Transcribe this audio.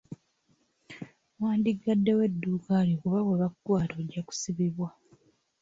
Wandigaddewo edduuka lyo kuba bwe bakukwata ojja kusibibwa.